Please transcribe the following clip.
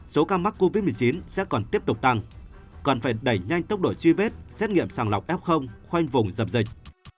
số ca mắc covid một mươi chín sẽ còn tiếp tục tăng còn phải đẩy nhanh tốc độ truy vết xét nghiệm sàng lọc f khoanh vùng dập dịch